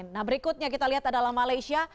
nah berikutnya kita lihat adalah malaysia